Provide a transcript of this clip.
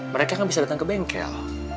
mereka kan bisa datang ke bengkel